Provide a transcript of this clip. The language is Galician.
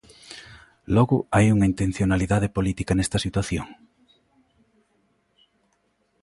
Logo hai unha intencionalidade política nesta situación?